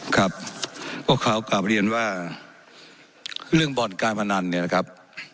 ครับพวกเขากลับเรียนว่าเรื่องบ่อนการพนันเนี่ยนะครับ